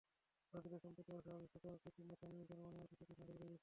ব্রাজিলে সম্প্রতি অস্বাভাবিক ছোট আকৃতির মাথা নিয়ে জন্ম নেওয়া শিশুর সংখ্যা বেড়ে গেছে।